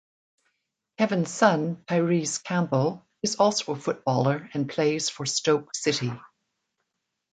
Kevin's son, Tyrese Campbell, is also a footballer and plays for Stoke City.